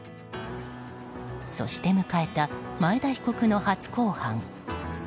そして迎えた前田被告の初公判。